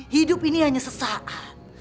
hidup ini hanya sesaat